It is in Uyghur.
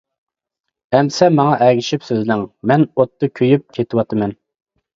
ئەمىسە ماڭا ئەگىشىپ سۆزلەڭ:-مەن ئوتتا كۆيۈپ كېتىۋاتىمەن.